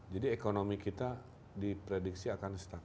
jadi ekonomi kita diprediksi akan stuck